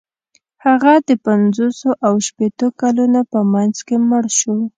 هغه د پنځوسو او شپیتو کلونو په منځ کې مړ شو.